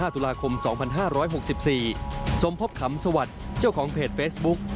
ตุลาคม๒๕๖๔สมภพขำสวัสดิ์เจ้าของเพจเฟซบุ๊ก